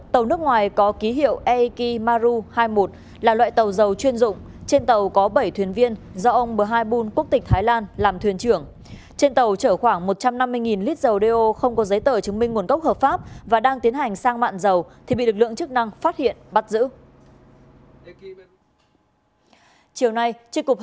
tàu nước ngoài có ký hiệu eiki maru hai mươi một là loại tàu dầu chuyên dụng trên tàu có bảy thuyền viên do ông bhaibun quốc tịch thái lan làm thuyền trưởng trên tàu chở khoảng một trăm năm mươi lít dầu đeo không có giấy tờ chứng minh nguồn gốc hợp pháp và đang tiến hành sang mạng dầu thì bị lực lượng chức năng phát hiện bắt giữ